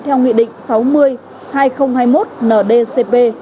theo nghị định sáu mươi hai nghìn hai mươi một ndcp